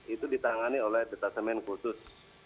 itu ditangani oleh detasemen khusus